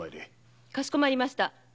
かしこまりました。